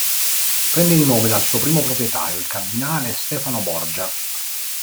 Prende il nome dal suo primo proprietario, il cardinale Stefano Borgia.